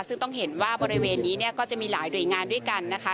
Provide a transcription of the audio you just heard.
ซึ่งต้องเห็นว่าบริเวณนี้เนี่ยก็จะมีหลายหน่วยงานด้วยกันนะคะ